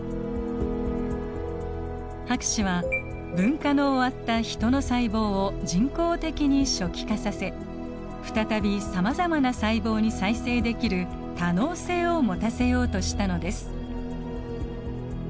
博士は分化の終わったヒトの細胞を人工的に初期化させ再びさまざまな細胞に再生できる多能性を持たせようとしたのです。